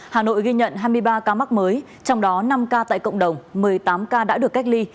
hà nội ghi nhận hai mươi ba ca mắc mới trong đó năm ca tại cộng đồng một mươi tám ca đã được cách ly